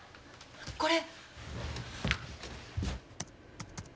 これ。